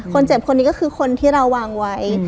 คนนี้ก็คือคนที่เราวางไว้